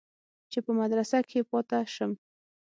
چې په مدرسه کښې پاته سم.